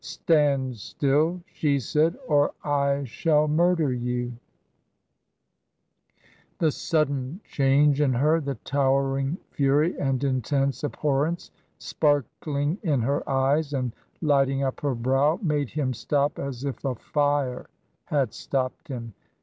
'Stand still I' she said, ' or I shall murder you I' The sudden change in her, the towering fury and intense abhorrence spark ling in her eyes and Ughting up her brow, made him stop as if a fire had stopped him.